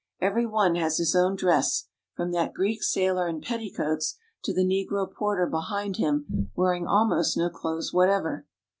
Every one has his own dress, from that Greek sailor in petticoats to the negro porter behind him wearing almost no clothes whatever.